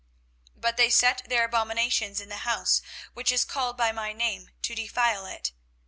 24:032:034 But they set their abominations in the house, which is called by my name, to defile it.